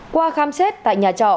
qua khám xét tại nhà trọ